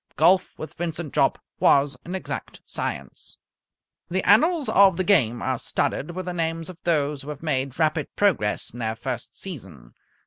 Golf with Vincent Jopp was an exact science. The annals of the game are studded with the names of those who have made rapid progress in their first season.